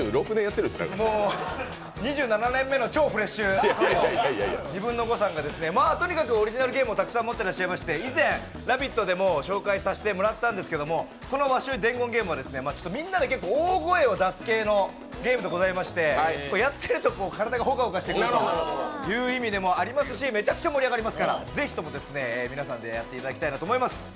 ２７年目の超フレッシュトリオのニブンノゴ！さんがとにかくオリジナルゲームたくさん持っていらっしゃいまして、以前「ラヴィット！」でも紹介させてもらったんですけどこの「わっしょい伝言ゲーム」はみんなで大声を出す系のゲームでして、やってると体がホカホカしてきますし、めちゃくちゃ盛り上がりますから皆さんでやってもらいたいと思います。